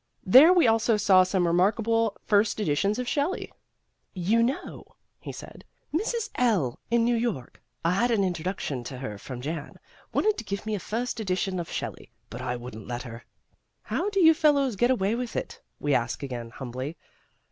There we also saw some remarkable first editions of Shelley. "You know," he said, "Mrs. L in New York I had an introduction to her from Jan wanted to give me a first edition of Shelley, but I wouldn't let her." "How do you fellows get away with it?" we said again humbly.